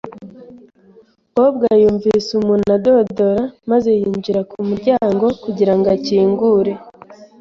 Kobwa yumvise umuntu adodora maze yinjira ku muryango kugira ngo akingure.